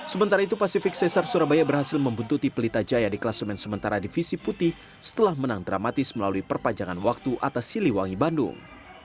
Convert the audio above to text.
sementara itu pasifik cesar surabaya berhasil membuntuti pelita jaya di kelas men sementara divisi putih setelah menang dramatis melalui perpanjangan waktu atas siliwangi bandung